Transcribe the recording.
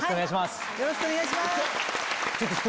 よろしくお願いします。